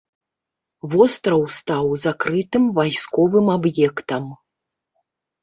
Востраў стаў закрытым вайсковым аб'ектам.